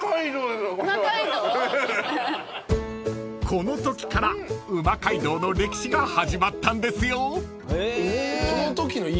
［このときからうま街道の歴史が始まったんですよ］